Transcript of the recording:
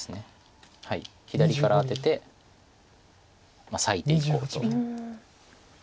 左からアテて裂いていこうと。